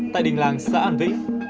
tại đình làng xã an vĩnh